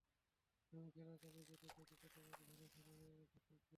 আমি খেলা চালিয়ে যেতে চাই, যতটা পারি ভালো খেলে যেতে চাই।